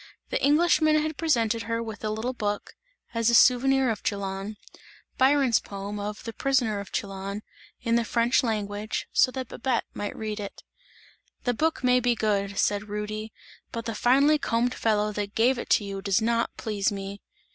The Englishman had presented her with a little book, as a souvenir of Chillon, Byron's poem of "The Prisoner of Chillon," in the French language, so that Babette might read it. "The book may be good," said Rudy, "but the finely combed fellow that gave it to you does not please me!"